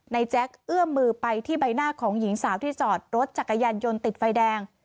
แจ๊คเอื้อมมือไปที่ใบหน้าของหญิงสาวที่จอดรถจักรยานยนต์ติดไฟแดง